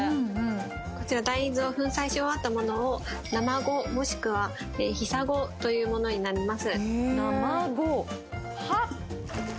こちら大豆を粉砕し終わったものを生呉、もしくは、ひさ呉というものになります。